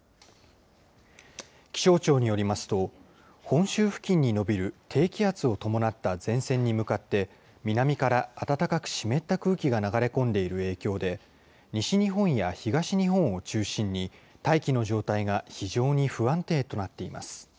気象庁によりますと、本州付近に延びる低気圧を伴った前線に向かって、南から暖かく湿った空気が流れ込んでいる影響で、西日本や東日本を中心に、大気の状態が非常に不安定となっています。